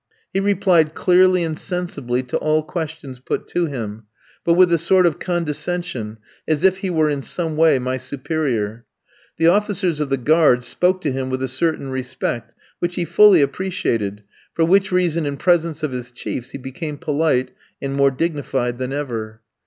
He replied clearly and sensibly to all questions put to him, but with a sort of condescension as if he were in some way my superior. The officers of the guard spoke to him with a certain respect, which he fully appreciated, for which reason, in presence of his chiefs, he became polite, and more dignified than ever.